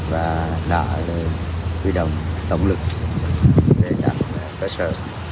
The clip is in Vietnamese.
và đã quy động tổng lực để đặt cơ sở